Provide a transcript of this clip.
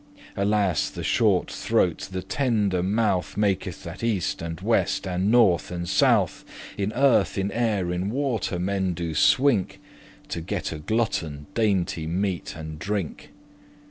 Alas! the shorte throat, the tender mouth, Maketh that east and west, and north and south, In earth, in air, in water, men do swink* *labour To get a glutton dainty meat and drink.